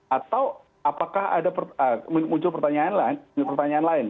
atau apakah ada muncul pertanyaan lain